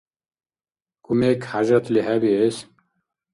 Кумек хӀяжатли хӀебиэс?